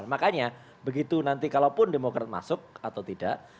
makanya begitu nanti kalau pun demokrat masuk atau tidak